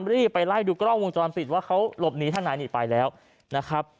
รีบไปไล่ดูกล้องวงจรปิดว่าเขาหลบหนีท่านไหนหนีไปแล้วนะครับ